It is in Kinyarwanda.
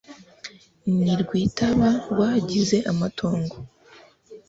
N'i Rwitaba rwahagize amatongo.